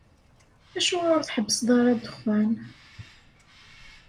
Acuɣer ur tḥebbseḍ ara ddexxan?